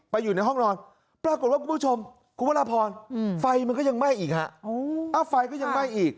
แฟวมันก็ยังไหม้อีกบ้าน